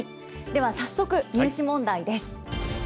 では、早速、入試問題です。